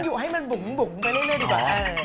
อยู่ให้มันบุ๋มไปเรื่อยดีกว่า